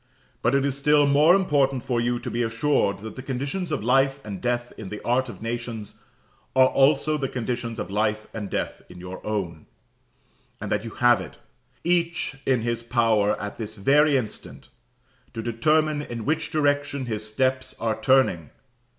But it is still more important for you to be assured that the conditions of life and death in the art of nations are also the conditions of life and death in your own; and that you have it, each in his power at this very instant, to determine in which direction his steps are turning.